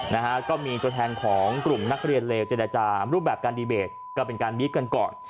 นะฮะก็มีตัวแทนของกลุ่มนักเรียนเลวเจรจารูปแบบการดีเบตก็เป็นการบีฟกันก่อน